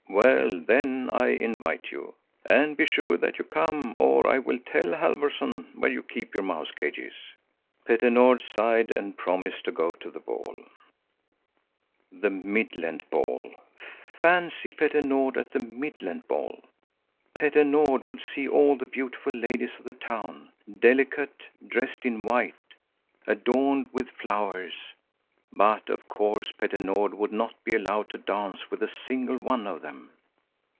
Well, then I invite you. And be sure that you come, or I will tell Halfvorson where you keep your mouse cages." Petter Nord sighed and promised to go to the ball. The Mid Lent ball, fancy Petter Nord at the Mid Lent ball! Petter Nord would see all the beautiful ladies of the town, delicate, dressed in white, adorned with flowers. But of course Petter Nord would not be allowed to dance with a single one of them.